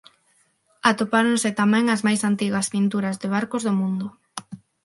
Atopáronse tamén as máis antigas pinturas de barcos do mundo.